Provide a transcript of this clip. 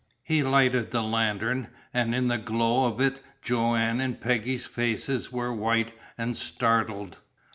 He lighted the lantern, and in the glow of it Joanne's and Peggy's faces were white and startled.